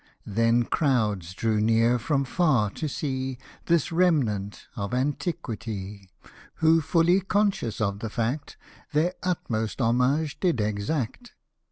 Then crowds drew near from far to see This remnant of antiquity, Who fully conscious of the fact, Their utmost homage did exact.